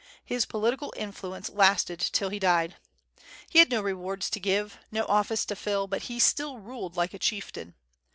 His political influence lasted till he died. He had no rewards to give, no office to fill, but he still ruled like a chieftain.